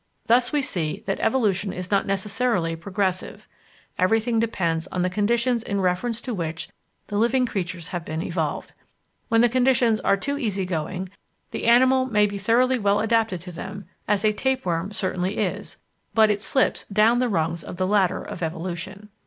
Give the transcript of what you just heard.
Thus we see that evolution is not necessarily progressive; everything depends on the conditions in reference to which the living creatures have been evolved. When the conditions are too easygoing, the animal may be thoroughly well adapted to them as a tapeworm certainly is but it slips down the rungs of the ladder of evolution.